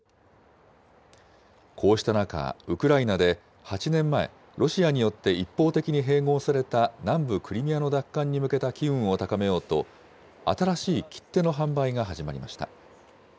こうした中、ウクライナで８年前、ロシアによって一方的に併合された南部クリミアの奪還に向けた機運を高めようと、新しい切手の販売が始まりました。